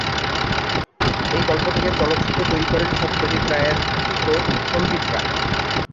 এই গল্প থেকে চলচ্চিত্র তৈরি করেন সত্যজিৎ রায়ের পুত্র সন্দীপ রায়।